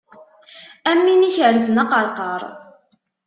Am win ikerrzen aqerqaṛ.